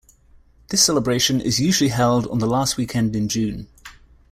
This celebration is usually held on the last weekend in June.